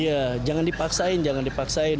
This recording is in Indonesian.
iya jangan dipaksain jangan dipaksain